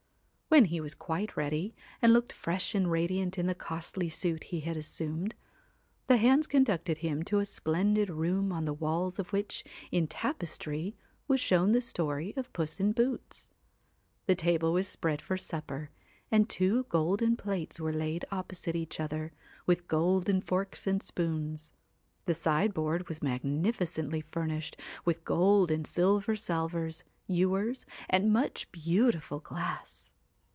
When he was quite ready, and looked fresh and radiant in the costly suit he had assumed, the hands conducted him to a splendid room, on the walls of which in tapestry was shown the story of Puss in Boots. The table was spread for supper, and two golden plates were laid opposite each other, with golden forks and spoons. The side board was magnificently furnished with gold and silver salvers, ewers, and much beautiful glass.